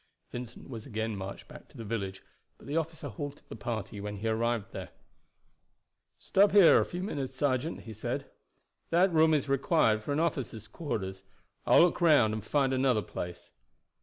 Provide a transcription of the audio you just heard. Vincent was again marched back to the village, but the officer halted the party when he arrived there. "Stop here a few minutes, sergeant," he said. "That room is required for an officer's quarters. I will look round and find another place."